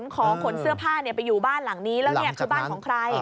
ก็พาไปอยู่บ้านหลังนี้แล้วนี่คือบ้านของใคร